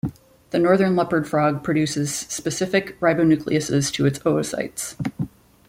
The northern leopard frog produces specific ribonucleases to its oocytes.